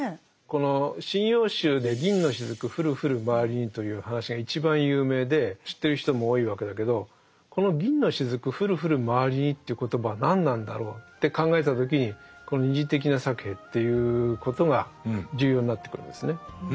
この「神謡集」で「銀の滴降る降るまわりに」という話が一番有名で知ってる人も多いわけだけどこの「銀の滴降る降るまわりに」という言葉は何なんだろうって考えた時にこの「二次的なサケヘ」ということが重要になってくるんですね。